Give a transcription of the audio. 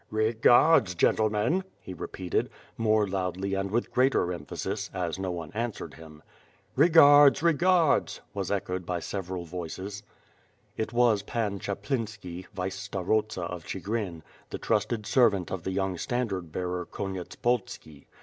"Begards, gentlemen," he repeated, more loudly and with greater emphasis, as no one answered him. "Kegards! Regards!" was echoed by several voices. It was Pan Chaplinski, vice starosta of Ohigrin, the trusted servant of the young standard bearer Konyetspolski.